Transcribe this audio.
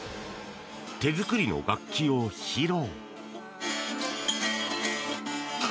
手作りの楽器を披露。